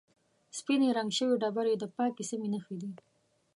سپینې رنګ شوې ډبرې د پاکې سیمې نښې دي.